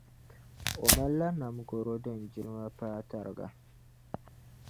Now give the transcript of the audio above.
O mali la nam garo din jilma paai targa.